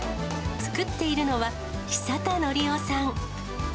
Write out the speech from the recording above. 作っているのは、久田則雄さん。